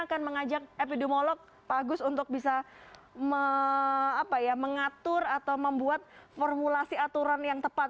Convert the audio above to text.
saya akan mengajak epidemiolog pak agus untuk bisa mengatur atau membuat formulasi aturan yang tepat